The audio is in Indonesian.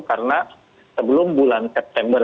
karena sebelum bulan september